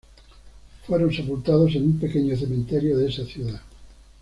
Fueron sepultados en un pequeño cementerio de esa ciudad.